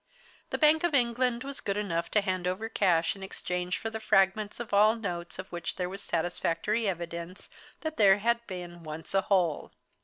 The Bank of England was good enough to hand over cash in exchange for the fragments of all notes of which there was satisfactory evidence that there had been once a whole.